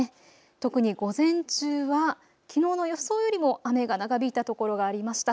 特に午前中はきのうの予想よりも雨が長引いたところがありました。